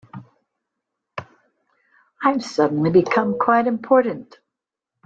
I've suddenly become quite important.